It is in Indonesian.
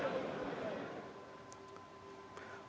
nah ini bisa jadi titik lengah